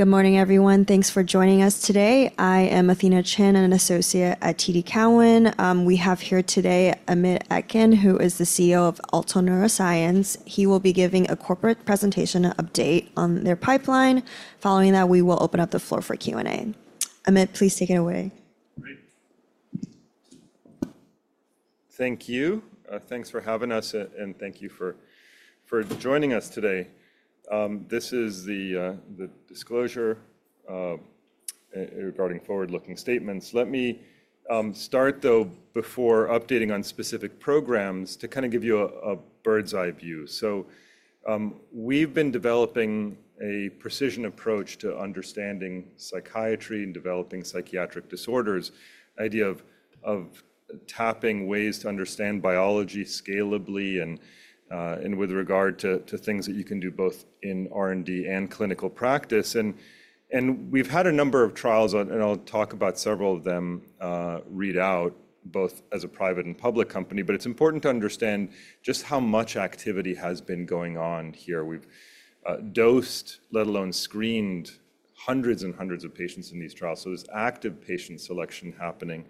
Good morning, everyone. Thanks for joining us today. I am Athena Chin, an associate at TD Cowen. We have here today Amit Etkin, who is the CEO of Alto Neuroscience. He will be giving a corporate presentation update on their pipeline. Following that, we will open up the floor for Q&A. Amit, please take it away. Thank you. Thanks for having us, and thank you for joining us today. This is the disclosure regarding forward-looking statements. Let me start, though, before updating on specific programs, to kind of give you a bird's-eye view. We've been developing a precision approach to understanding psychiatry and developing psychiatric disorders, the idea of tapping ways to understand biology scalably and with regard to things that you can do both in R&D and clinical practice. We've had a number of trials, and I'll talk about several of them read out, both as a private and public company. It's important to understand just how much activity has been going on here. We've dosed, let alone screened, hundreds and hundreds of patients in these trials. There's active patient selection happening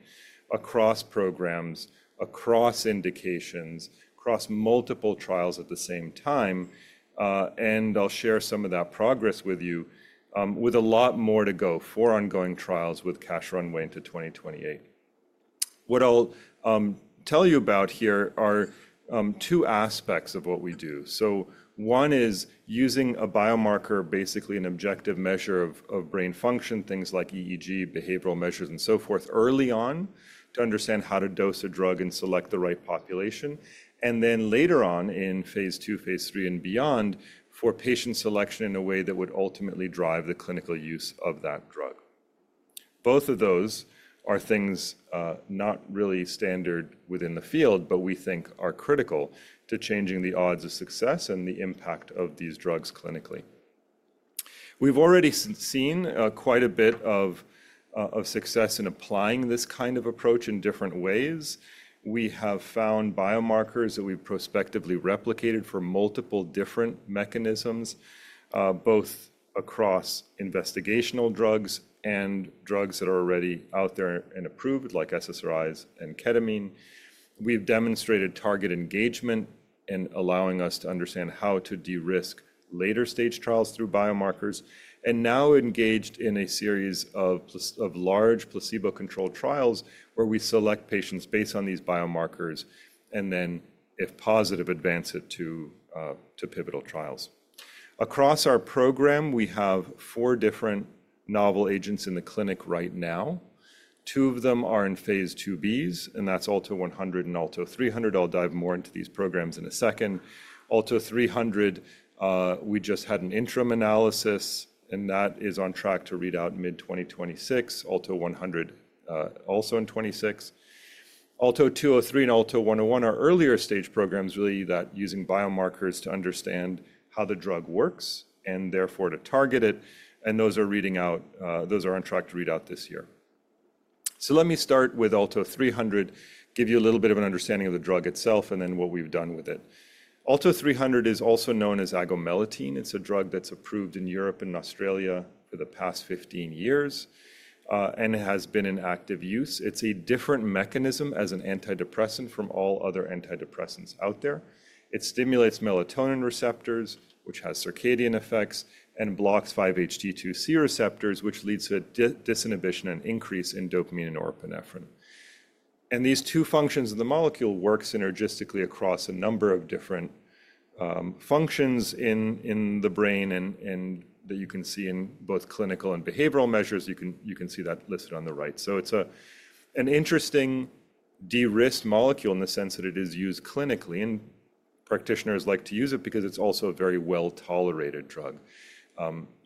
across programs, across indications, across multiple trials at the same time. I'll share some of that progress with you, with a lot more to go for ongoing trials with cash runway into 2028. What I'll tell you about here are two aspects of what we do. One is using a biomarker, basically an objective measure of brain function, things like EEG, behavioral measures, and so forth, early on to understand how to dose a drug and select the right population. Later on, in phase II, phase III, and beyond, for patient selection in a way that would ultimately drive the clinical use of that drug. Both of those are things not really standard within the field, but we think are critical to changing the odds of success and the impact of these drugs clinically. We've already seen quite a bit of success in applying this kind of approach in different ways. We have found biomarkers that we've prospectively replicated for multiple different mechanisms, both across investigational drugs and drugs that are already out there and approved, like SSRIs and ketamine. We've demonstrated target engagement in allowing us to understand how to de-risk later-stage trials through biomarkers, and now engaged in a series of large placebo-controlled trials where we select patients based on these biomarkers, and then, if positive, advance it to pivotal trials. Across our program, we have four different novel agents in the clinic right now. Two of them are in phase II-Bs, and that's Alto 100 and Alto 300. I'll dive more into these programs in a second. Alto 300, we just had an interim analysis, and that is on track to read out mid-2026. Alto 100, also in 2026. Alto 203 and Alto 101 are earlier-stage programs, really, that are using biomarkers to understand how the drug works and therefore to target it. Those are on track to read out this year. Let me start with Alto 300, give you a little bit of an understanding of the drug itself, and then what we've done with it. Alto 300 is also known as agomelatine. It's a drug that's approved in Europe and Australia for the past 15 years and has been in active use. It's a different mechanism as an antidepressant from all other antidepressants out there. It stimulates melatonin receptors, which has circadian effects, and blocks 5-HT2C receptors, which leads to disinhibition and increase in dopamine and norepinephrine. These two functions of the molecule work synergistically across a number of different functions in the brain, and that you can see in both clinical and behavioral measures. You can see that listed on the right. It is an interesting de-risk molecule in the sense that it is used clinically, and practitioners like to use it because it is also a very well-tolerated drug,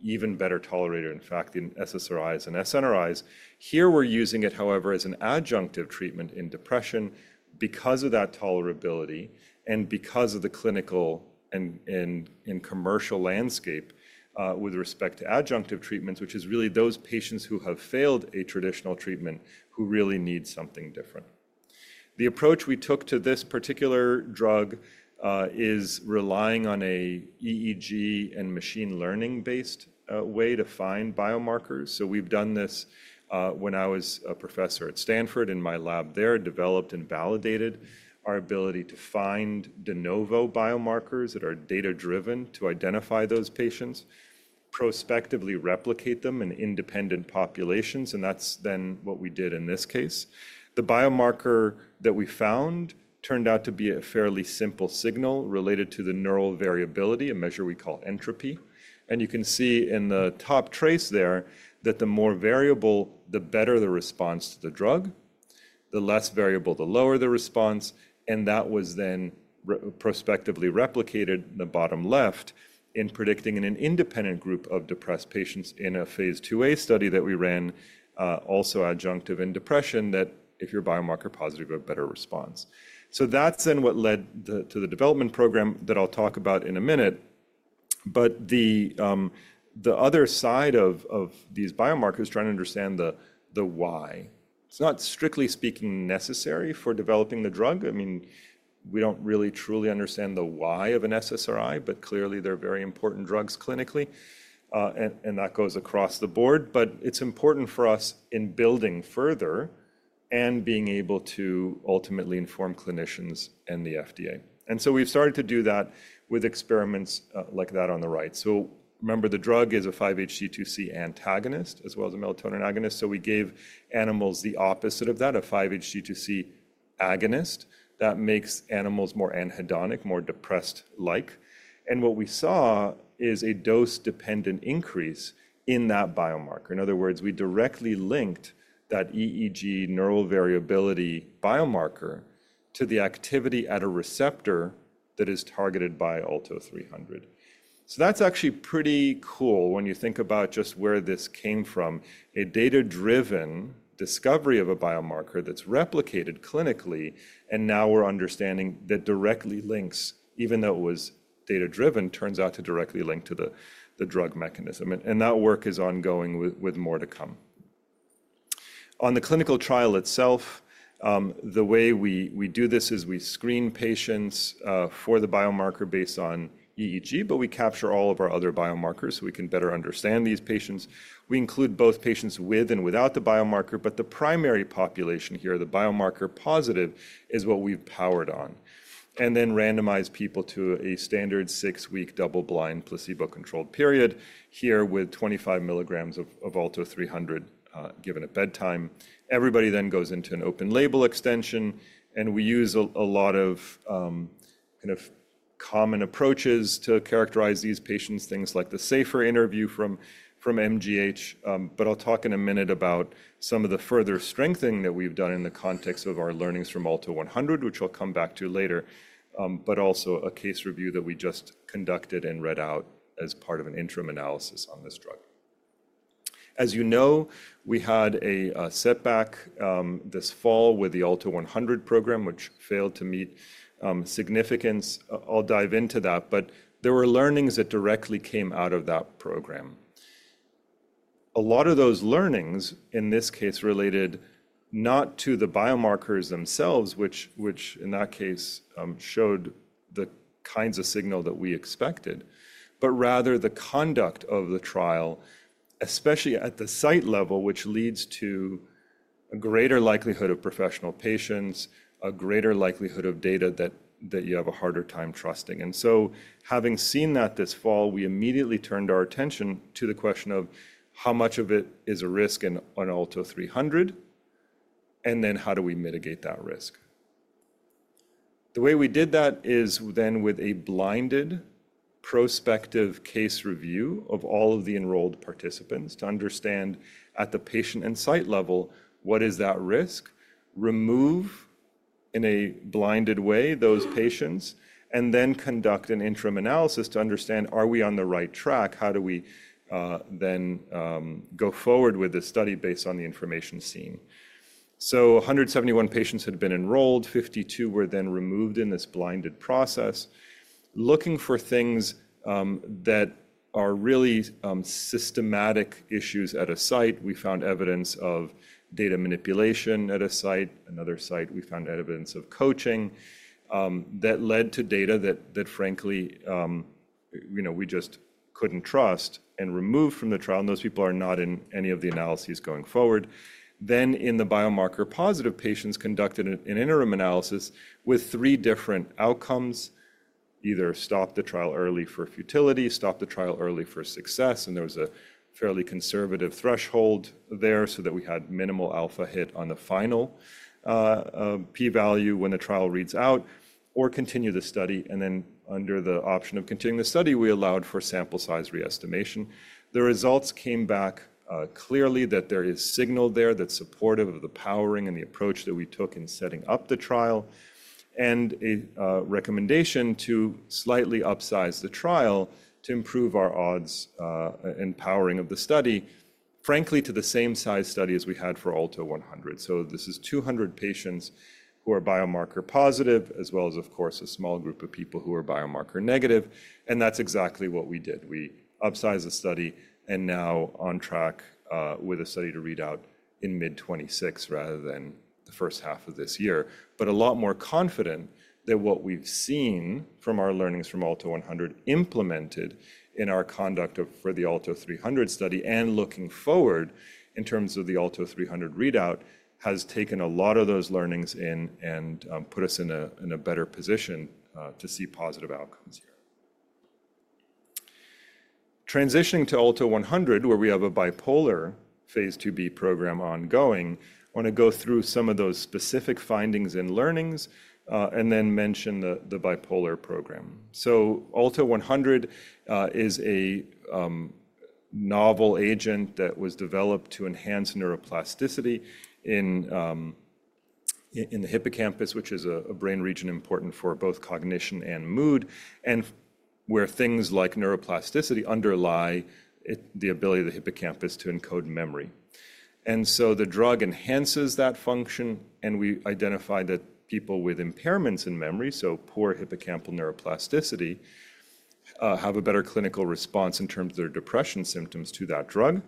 even better tolerated, in fact, than SSRIs and SNRIs. Here, we are using it, however, as an adjunctive treatment in depression because of that tolerability and because of the clinical and commercial landscape with respect to adjunctive treatments, which is really those patients who have failed a traditional treatment who really need something different. The approach we took to this particular drug is relying on an EEG and machine learning-based way to find biomarkers. We've done this when I was a professor at Stanford in my lab there, developed and validated our ability to find de novo biomarkers that are data-driven to identify those patients, prospectively replicate them in independent populations. That's then what we did in this case. The biomarker that we found turned out to be a fairly simple signal related to the neural variability, a measure we call entropy. You can see in the top trace there that the more variable, the better the response to the drug; the less variable, the lower the response. That was then prospectively replicated in the bottom left in predicting an independent group of depressed patients in a phase II-A study that we ran, also adjunctive in depression, that if you're biomarker positive, you have a better response. That's then what led to the development program that I'll talk about in a minute. The other side of these biomarkers is trying to understand the why. It's not strictly speaking necessary for developing the drug. I mean, we don't really truly understand the why of an SSRI, but clearly they're very important drugs clinically. That goes across the board. It's important for us in building further and being able to ultimately inform clinicians and the FDA. We've started to do that with experiments like that on the right. Remember, the drug is a 5-HT2C antagonist as well as a melatonin agonist. We gave animals the opposite of that, a 5-HT2C agonist that makes animals more anhedonic, more depressed-like. What we saw is a dose-dependent increase in that biomarker. In other words, we directly linked that EEG neural variability biomarker to the activity at a receptor that is targeted by Alto 300. That's actually pretty cool when you think about just where this came from, a data-driven discovery of a biomarker that's replicated clinically. Now we're understanding that directly links, even though it was data-driven, turns out to directly link to the drug mechanism. That work is ongoing with more to come. On the clinical trial itself, the way we do this is we screen patients for the biomarker based on EEG, but we capture all of our other biomarkers so we can better understand these patients. We include both patients with and without the biomarker, but the primary population here, the biomarker positive, is what we've powered on. We randomize people to a standard six-week double-blind placebo-controlled period here with 25 milligrams of Alto 300 given at bedtime. Everybody then goes into an open-label extension, and we use a lot of kind of common approaches to characterize these patients, things like the SAFER interview from MGH. I'll talk in a minute about some of the further strengthening that we've done in the context of our learnings from Alto 100, which I'll come back to later, but also a case review that we just conducted and read out as part of an interim analysis on this drug. As you know, we had a setback this fall with the Alto 100 program, which failed to meet significance. I'll dive into that. There were learnings that directly came out of that program. A lot of those learnings, in this case, related not to the biomarkers themselves, which in that case showed the kinds of signal that we expected, but rather the conduct of the trial, especially at the site level, which leads to a greater likelihood of professional patients, a greater likelihood of data that you have a harder time trusting. Having seen that this fall, we immediately turned our attention to the question of how much of it is a risk on Alto 300, and then how do we mitigate that risk. The way we did that is then with a blinded prospective case review of all of the enrolled participants to understand at the patient and site level what is that risk, remove in a blinded way those patients, and then conduct an interim analysis to understand, are we on the right track? How do we then go forward with this study based on the information seen? 171 patients had been enrolled. 52 were then removed in this blinded process. Looking for things that are really systematic issues at a site, we found evidence of data manipulation at a site. Another site, we found evidence of coaching that led to data that, frankly, we just couldn't trust and removed from the trial. Those people are not in any of the analyses going forward. In the biomarker positive patients, conducted an interim analysis with three different outcomes: either stop the trial early for futility, stop the trial early for success, and there was a fairly conservative threshold there so that we had minimal alpha hit on the final p-value when the trial reads out, or continue the study. Under the option of continuing the study, we allowed for sample size re-estimation. The results came back clearly that there is signal there that's supportive of the powering and the approach that we took in setting up the trial, and a recommendation to slightly upsize the trial to improve our odds and powering of the study, frankly, to the same size study as we had for Alto 100. This is 200 patients who are biomarker positive, as well as, of course, a small group of people who are biomarker negative. That's exactly what we did. We upsized the study and now on track with a study to read out in mid-2026 rather than the first half of this year. A lot more confident that what we've seen from our learnings from Alto 100 implemented in our conduct for the Alto 300 study and looking forward in terms of the Alto 300 readout has taken a lot of those learnings in and put us in a better position to see positive outcomes here. Transitioning to Alto 100, where we have a bipolar phase II-B program ongoing, I want to go through some of those specific findings and learnings and then mention the bipolar program. Alto 100 is a novel agent that was developed to enhance neuroplasticity in the hippocampus, which is a brain region important for both cognition and mood, and where things like neuroplasticity underlie the ability of the hippocampus to encode memory. The drug enhances that function, and we identify that people with impairments in memory, so poor hippocampal neuroplasticity, have a better clinical response in terms of their depression symptoms to that drug.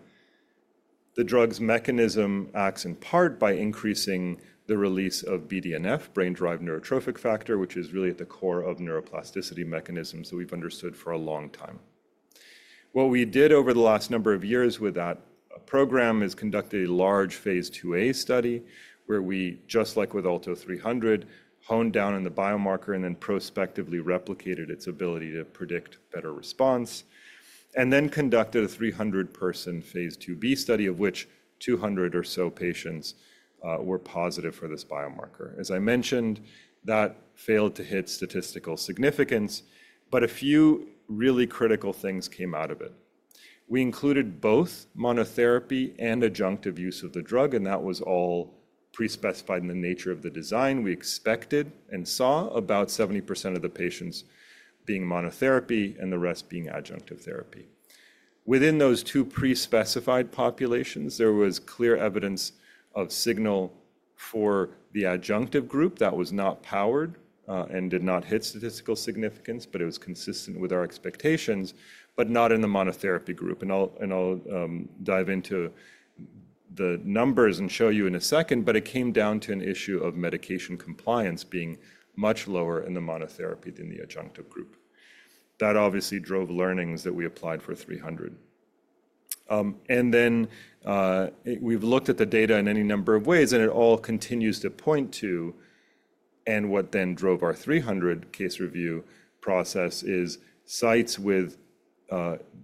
The drug's mechanism acts in part by increasing the release of BDNF, brain-derived neurotrophic factor, which is really at the core of neuroplasticity mechanisms that we've understood for a long time. What we did over the last number of years with that program is conduct a large phase II-A study where we, just like with Alto 300, honed down on the biomarker and then prospectively replicated its ability to predict better response, and then conducted a 300-person phase II-B study of which 200 or so patients were positive for this biomarker. As I mentioned, that failed to hit statistical significance, but a few really critical things came out of it. We included both monotherapy and adjunctive use of the drug, and that was all pre-specified in the nature of the design. We expected and saw about 70% of the patients being monotherapy and the rest being adjunctive therapy. Within those two pre-specified populations, there was clear evidence of signal for the adjunctive group that was not powered and did not hit statistical significance, but it was consistent with our expectations, not in the monotherapy group. I'll dive into the numbers and show you in a second, but it came down to an issue of medication compliance being much lower in the monotherapy than the adjunctive group. That obviously drove learnings that we applied for 300. We've looked at the data in any number of ways, and it all continues to point to, and what then drove our 300 case review process is sites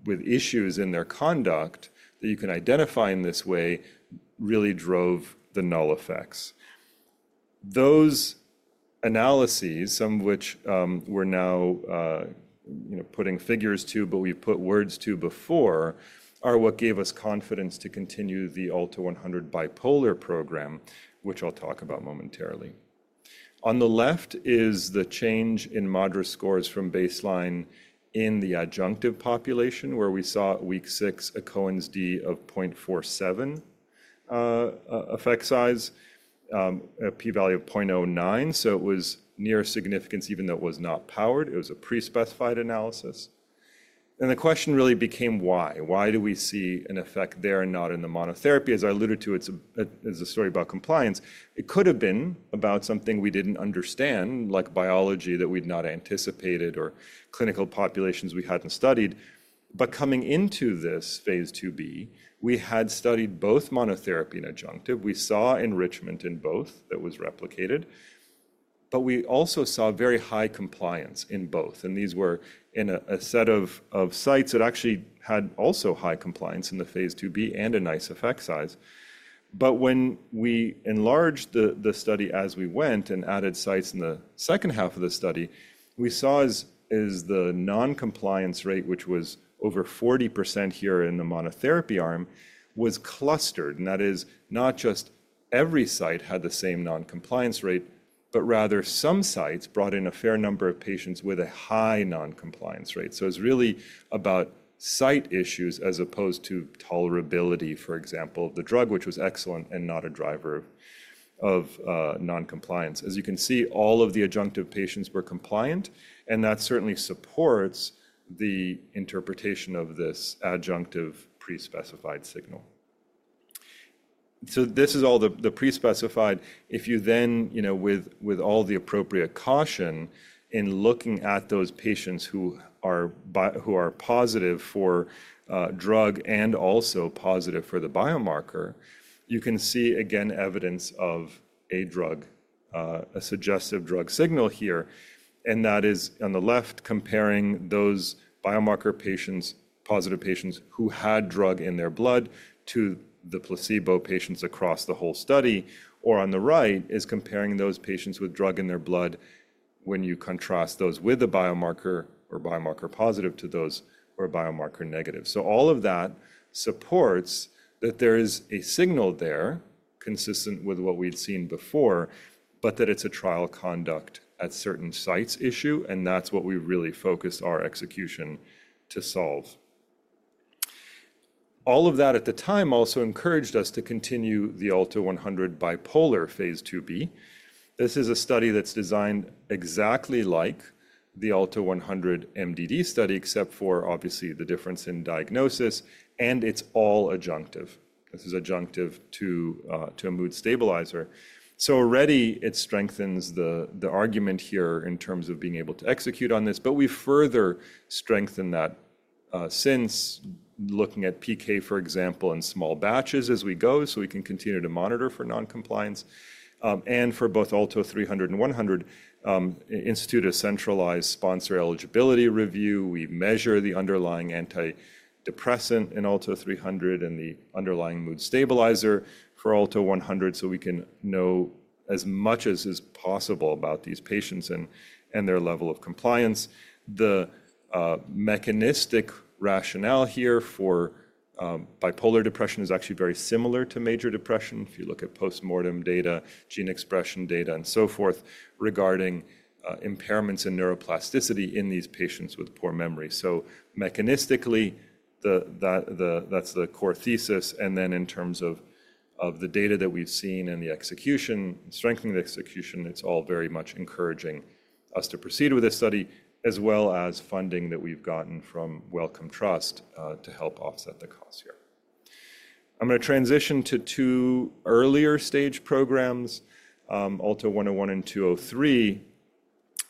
with issues in their conduct that you can identify in this way really drove the null effects. Those analyses, some of which we're now putting figures to, but we've put words to before, are what gave us confidence to continue the Alto 100 bipolar program, which I'll talk about momentarily. On the left is the change in MADRS scores from baseline in the adjunctive population where we saw week 6 a Cohen's d of 0.47 effect size, a p-value of 0.09. It was near significance, even though it was not powered. It was a pre-specified analysis. The question really became, why? Why do we see an effect there and not in the monotherapy? As I alluded to, it's a story about compliance. It could have been about something we didn't understand, like biology that we'd not anticipated or clinical populations we hadn't studied. Coming into this phase II-B, we had studied both monotherapy and adjunctive. We saw enrichment in both that was replicated, but we also saw very high compliance in both. These were in a set of sites that actually had also high compliance in the phase II-B and a nice effect size. When we enlarged the study as we went and added sites in the second half of the study, we saw as the non-compliance rate, which was over 40% here in the monotherapy arm, was clustered. That is not just every site had the same non-compliance rate, but rather some sites brought in a fair number of patients with a high non-compliance rate. It is really about site issues as opposed to tolerability, for example, of the drug, which was excellent and not a driver of non-compliance. As you can see, all of the adjunctive patients were compliant, and that certainly supports the interpretation of this adjunctive pre-specified signal. This is all the pre-specified. If you then, with all the appropriate caution in looking at those patients who are positive for drug and also positive for the biomarker, you can see again evidence of a suggestive drug signal here. That is on the left, comparing those biomarker patients, positive patients who had drug in their blood to the placebo patients across the whole study. On the right is comparing those patients with drug in their blood when you contrast those with a biomarker or biomarker positive to those or biomarker negative. All of that supports that there is a signal there consistent with what we'd seen before, but that it's a trial conduct at certain sites issue, and that's what we really focused our execution to solve. All of that at the time also encouraged us to continue the Alto 100 bipolar phase II-B. This is a study that's designed exactly like the Alto 100 MDD study, except for obviously the difference in diagnosis, and it's all adjunctive. This is adjunctive to a mood stabilizer. Already it strengthens the argument here in terms of being able to execute on this, but we further strengthen that since looking at PK, for example, in small batches as we go so we can continue to monitor for non-compliance. For both Alto 300 and 100, institute of centralized sponsor eligibility review, we measure the underlying antidepressant in Alto 300 and the underlying mood stabilizer for Alto 100 so we can know as much as is possible about these patients and their level of compliance. The mechanistic rationale here for bipolar depression is actually very similar to major depression. If you look at postmortem data, gene expression data, and so forth regarding impairments in neuroplasticity in these patients with poor memory. Mechanistically, that's the core thesis. In terms of the data that we've seen and the execution, strengthening the execution, it's all very much encouraging us to proceed with this study, as well as funding that we've gotten from Wellcome Trust to help offset the cost here. I'm going to transition to two earlier stage programs, Alto 101 and 203,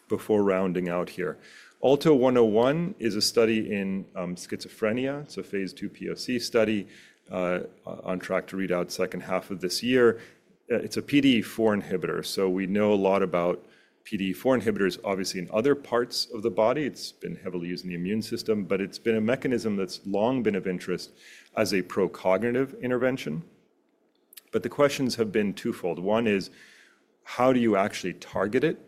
before rounding out here. Alto 101 is a study in schizophrenia. It's a phase II POC study on track to read out second half of this year. It's a PDE4 inhibitor. We know a lot about PDE4 inhibitors, obviously, in other parts of the body. It's been heavily used in the immune system, but it's been a mechanism that's long been of interest as a pro-cognitive intervention. The questions have been twofold. One is, how do you actually target it?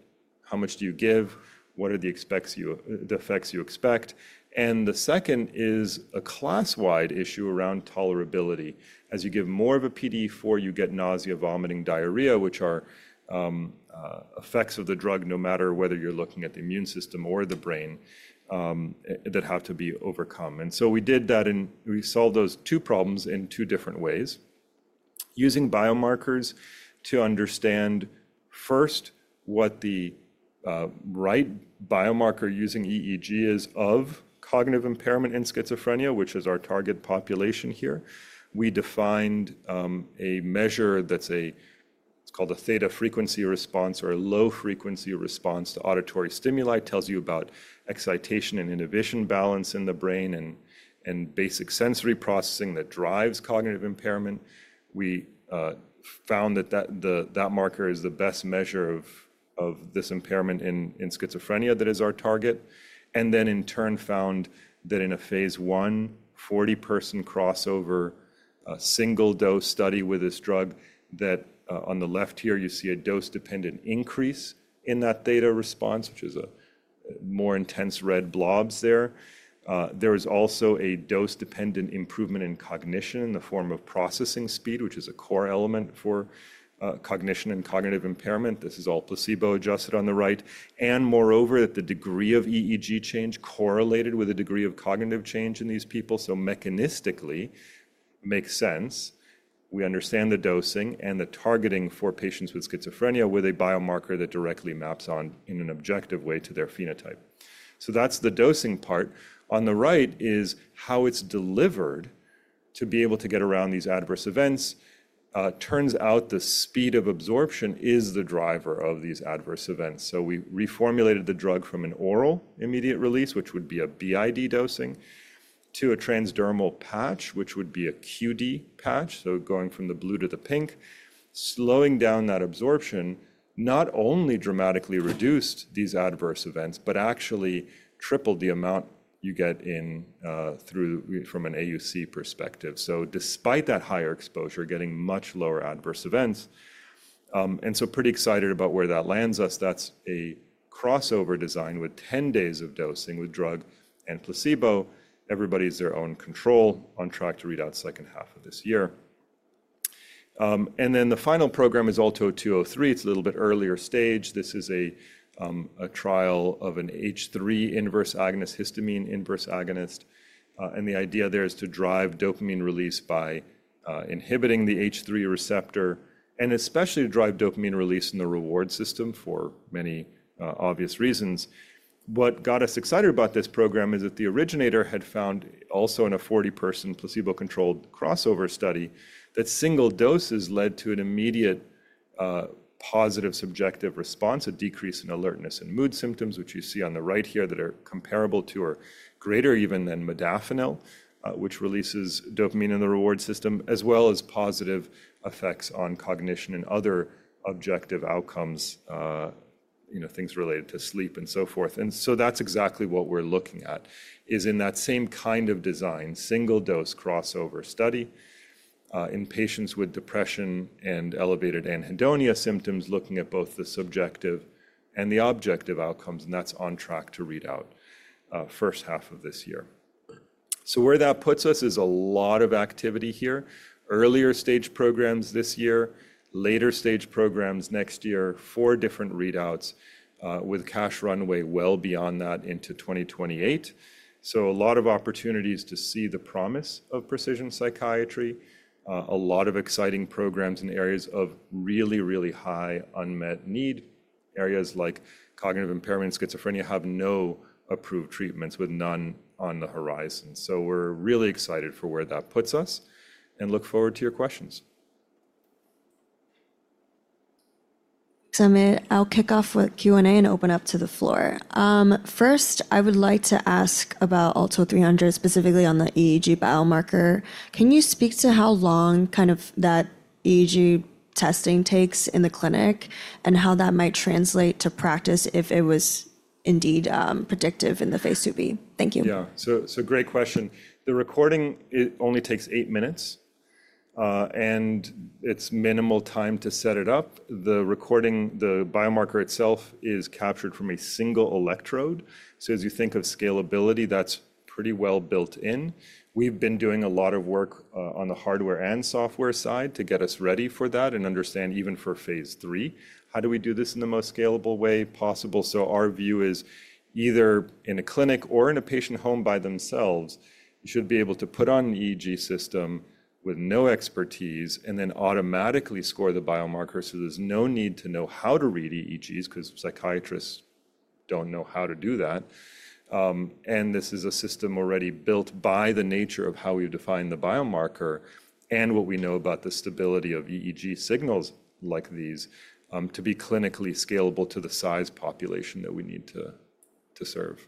How much do you give? What are the effects you expect? The second is a class-wide issue around tolerability. As you give more of a PDE4, you get nausea, vomiting, diarrhea, which are effects of the drug no matter whether you're looking at the immune system or the brain that have to be overcome. We solved those two problems in two different ways. Using biomarkers to understand first what the right biomarker using EEG is of cognitive impairment in schizophrenia, which is our target population here. We defined a measure that's called a theta frequency response or a low frequency response to auditory stimuli. It tells you about excitation and inhibition balance in the brain and basic sensory processing that drives cognitive impairment. We found that that marker is the best measure of this impairment in schizophrenia that is our target. In turn, found that in a phase II, 40-person crossover single-dose study with this drug, that on the left here, you see a dose-dependent increase in that theta response, which is more intense red blobs there. There is also a dose-dependent improvement in cognition in the form of processing speed, which is a core element for cognition and cognitive impairment. This is all placebo adjusted on the right. Moreover, the degree of EEG change correlated with a degree of cognitive change in these people. Mechanistically, it makes sense. We understand the dosing and the targeting for patients with schizophrenia with a biomarker that directly maps on in an objective way to their phenotype. That is the dosing part. On the right is how it is delivered to be able to get around these adverse events. It turns out the speed of absorption is the driver of these adverse events. We reformulated the drug from an oral immediate release, which would be a BID dosing, to a transdermal patch, which would be a QD patch. Going from the blue to the pink, slowing down that absorption not only dramatically reduced these adverse events, but actually tripled the amount you get from an AUC perspective. Despite that higher exposure, you get much lower adverse events. I am pretty excited about where that lands us. That's a crossover design with 10 days of dosing with drug and placebo. Everybody's their own control on track to read out second half of this year. The final program is Alto 203. It's a little bit earlier stage. This is a trial of an H3 inverse agonist, histamine inverse agonist. The idea there is to drive dopamine release by inhibiting the H3 receptor and especially to drive dopamine release in the reward system for many obvious reasons. What got us excited about this program is that the originator had found also in a 40-person placebo-controlled crossover study that single doses led to an immediate positive subjective response, a decrease in alertness and mood symptoms, which you see on the right here that are comparable to or greater even than modafinil, which releases dopamine in the reward system, as well as positive effects on cognition and other objective outcomes, things related to sleep and so forth. That is exactly what we're looking at, is in that same kind of design, single-dose crossover study in patients with depression and elevated anhedonia, symptoms looking at both the subjective and the objective outcomes. That is on track to read out first half of this year. Where that puts us is a lot of activity here. Earlier stage programs this year, later stage programs next year, four different readouts with cash runway well beyond that into 2028. A lot of opportunities to see the promise of precision psychiatry. A lot of exciting programs in areas of really, really high unmet need. Areas like cognitive impairment, schizophrenia have no approved treatments with none on the horizon. We are really excited for where that puts us and look forward to your questions. I'll kick off with Q&A and open up to the floor. First, I would like to ask about Alto 300, specifically on the EEG biomarker. Can you speak to how long kind of that EEG testing takes in the clinic and how that might translate to practice if it was indeed predictive in the phase II-B? Thank you. Yeah. Great question. The recording only takes eight minutes, and it's minimal time to set it up. The biomarker itself is captured from a single electrode. As you think of scalability, that's pretty well built in. We've been doing a lot of work on the hardware and software side to get us ready for that and understand even for phase II, how do we do this in the most scalable way possible? Our view is either in a clinic or in a patient home by themselves, you should be able to put on an EEG system with no expertise and then automatically score the biomarker. There's no need to know how to read EEGs because psychiatrists don't know how to do that. This is a system already built by the nature of how we define the biomarker and what we know about the stability of EEG signals like these to be clinically scalable to the size population that we need to serve.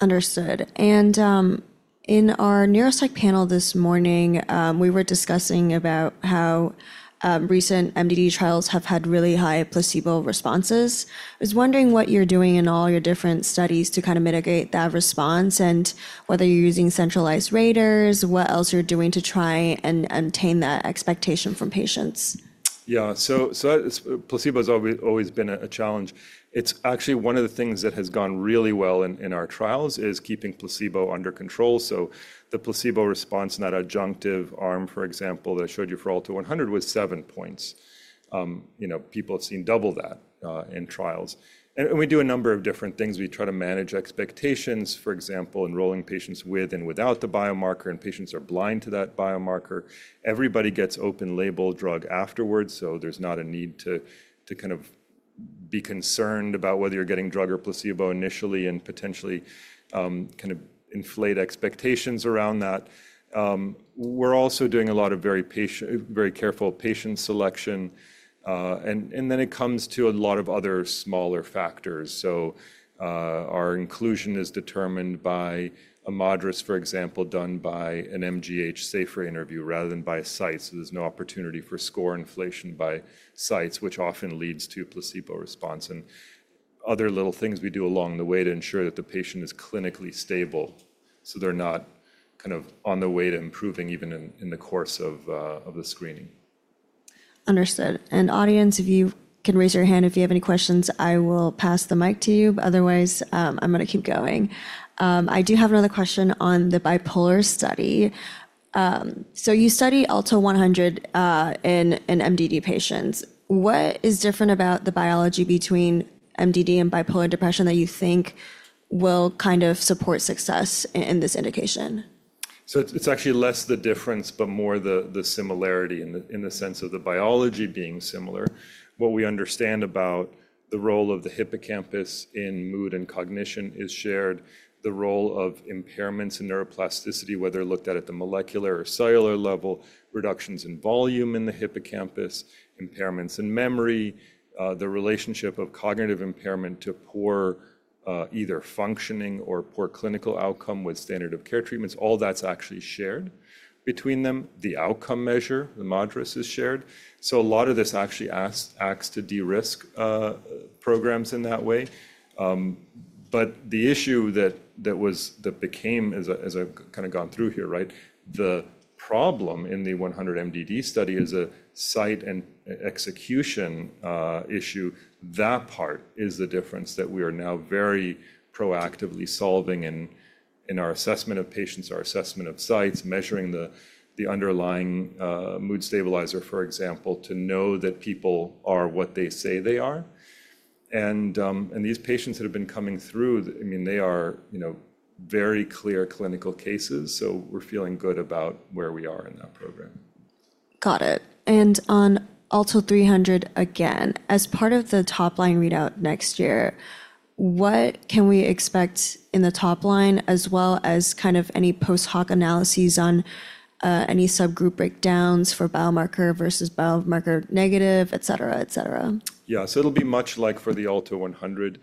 Understood. In our Neuroscience panel this morning, we were discussing about how recent MDD trials have had really high placebo responses. I was wondering what you're doing in all your different studies to kind of mitigate that response and whether you're using centralized raters, what else you're doing to try and obtain that expectation from patients. Yeah. Placebo has always been a challenge. It's actually one of the things that has gone really well in our trials is keeping placebo under control. The placebo response in that adjunctive arm, for example, that I showed you for Alto 100 was seven points. People have seen double that in trials. We do a number of different things. We try to manage expectations, for example, enrolling patients with and without the biomarker and patients are blind to that biomarker. Everybody gets open label drug afterwards, so there's not a need to kind of be concerned about whether you're getting drug or placebo initially and potentially kind of inflate expectations around that. We're also doing a lot of very careful patient selection. It comes to a lot of other smaller factors. Our inclusion is determined by a MADRS, for example, done by an MGH SAFER interview rather than by sites. There's no opportunity for score inflation by sites, which often leads to placebo response and other little things we do along the way to ensure that the patient is clinically stable so they're not kind of on the way to improving even in the course of the screening. Understood. Audience, if you can raise your hand if you have any questions, I will pass the mic to you. Otherwise, I'm going to keep going. I do have another question on the bipolar study. You study Alto 100 in MDD patients. What is different about the biology between MDD and bipolar depression that you think will kind of support success in this indication? It's actually less the difference, but more the similarity in the sense of the biology being similar. What we understand about the role of the hippocampus in mood and cognition is shared, the role of impairments in neuroplasticity, whether looked at at the molecular or cellular level, reductions in volume in the hippocampus, impairments in memory, the relationship of cognitive impairment to poor either functioning or poor clinical outcome with standard of care treatments, all that's actually shared between them. The outcome measure, the MADRS, is shared. A lot of this actually acts to de-risk programs in that way. The issue that became as I've kind of gone through here, right, the problem in the 100 MDD study is a site and execution issue. That part is the difference that we are now very proactively solving in our assessment of patients, our assessment of sites, measuring the underlying mood stabilizer, for example, to know that people are what they say they are. I mean, they are very clear clinical cases. So we're feeling good about where we are in that program. Got it. On Alto 300 again, as part of the top line readout next year, what can we expect in the top line as well as kind of any post hoc analyses on any subgroup breakdowns for biomarker versus biomarker negative, et cetera, et cetera? Yeah. It will be much like for the Alto 100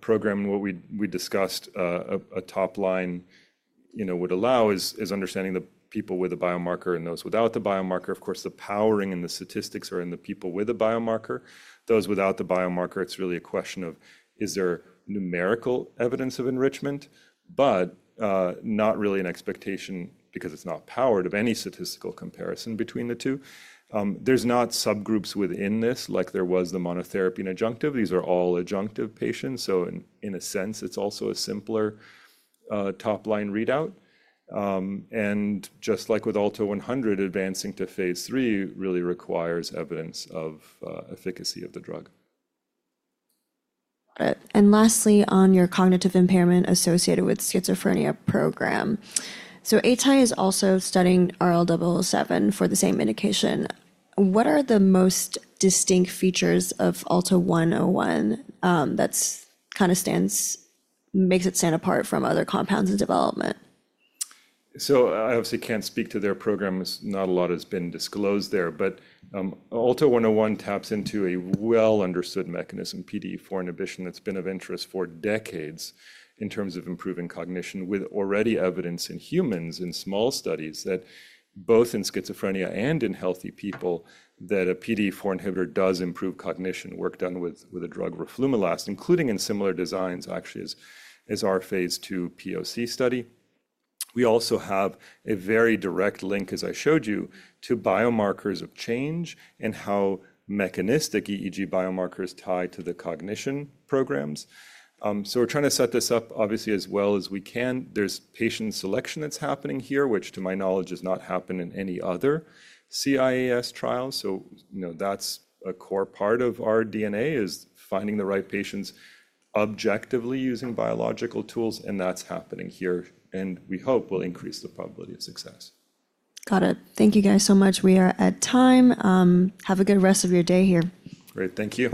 program. What we discussed, a top line would allow is understanding the people with the biomarker and those without the biomarker. Of course, the powering and the statistics are in the people with the biomarker. Those without the biomarker, it's really a question of is there numerical evidence of enrichment, but not really an expectation because it's not powered of any statistical comparison between the two. There's not subgroups within this like there was the monotherapy and adjunctive. These are all adjunctive patients. In a sense, it's also a simpler top line readout. Just like with Alto 100, advancing to phase II really requires evidence of efficacy of the drug. Lastly, on your cognitive impairment associated with schizophrenia program, so Atai is also studying RL-007 for the same indication. What are the most distinct features of Alto 101 that kind of makes it stand apart from other compounds in development? I obviously can't speak to their programs. Not a lot has been disclosed there. Alto 101 taps into a well-understood mechanism, PDE4 inhibition, that's been of interest for decades in terms of improving cognition with already evidence in humans in small studies that both in schizophrenia and in healthy people that a PDE4 inhibitor does improve cognition, work done with a drug, roflumilast, including in similar designs, actually, as our phase II POC study. We also have a very direct link, as I showed you, to biomarkers of change and how mechanistic EEG biomarkers tie to the cognition programs. We're trying to set this up obviously as well as we can. There's patient selection that's happening here, which to my knowledge has not happened in any other CIAS trials. That's a core part of our DNA is finding the right patients objectively using biological tools, and that's happening here. We hope will increase the probability of success. Got it. Thank you guys so much. We are at time. Have a good rest of your day here. Great. Thank you.